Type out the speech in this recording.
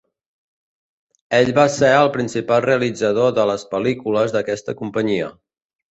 Ell va ser el principal realitzador de les pel·lícules d'aquesta companyia.